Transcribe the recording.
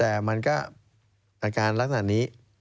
แต่มันก็อาการลักษณะนี้